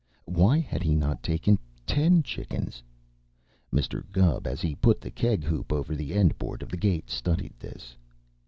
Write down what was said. Why had he not taken ten chickens? Mr. Gubb, as he put the keg hoop over the end board of the gate, studied this.